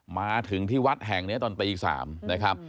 มาถึงที่วัดแห่งนี้ตอนตี๓นะครับ